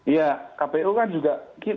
ya kpu kan juga